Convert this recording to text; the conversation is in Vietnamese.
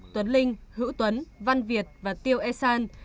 tuấn linh hữu tuấn văn việt và tiêu e san